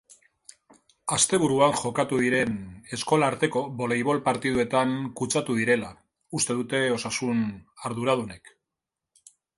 Asteburuan jokatu diren eskola arteko boleibol partiduetan kutsatu direla uste dute osasun arduradunek.